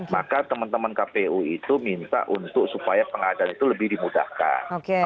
maka teman teman kpu itu minta untuk supaya pengadaan itu lebih dimudahkan